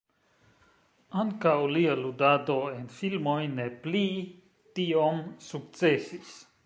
Ankaŭ lia ludado en filmoj ne pli tiom sukcesis.